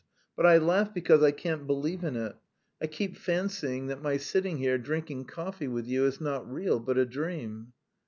But I laugh because I can't believe in it. I keep fancying that my sitting here drinking coffee with you is not real, but a dream."